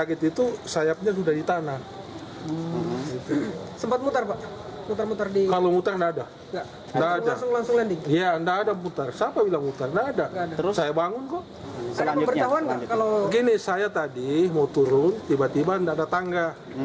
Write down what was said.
gini saya tadi mau turun tiba tiba tidak ada tangga